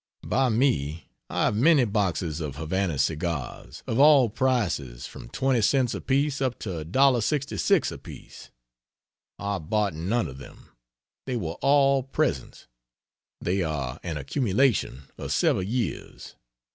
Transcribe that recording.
By me I have many boxes of Havana cigars, of all prices from 20 cts apiece up to 1.66 apiece; I bought none of them, they were all presents, they are an accumulation of several years.